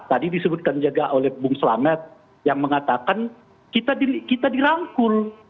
tadi disebutkan juga oleh bung selamet yang mengatakan kita dirangkul